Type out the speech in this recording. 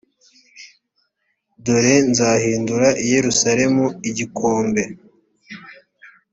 dore nzahindura i yerusalemu igikombe